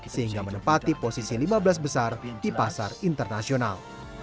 sehingga menempati posisi lima belas besar di pasar internasional